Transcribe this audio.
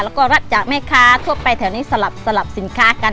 แล้วก็รับจากแม่ค้าทั่วไปแถวนี้สลับสินค้ากัน